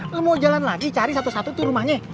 kalau mau jalan lagi cari satu satu tuh rumahnya